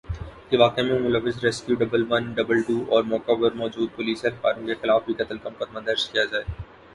کہ واقعہ میں ملوث rescue double one double two اور موقع پر موجود پولیس اہلکاروں کے خلاف بھی قتل کا مقدمہ درج کیا جائے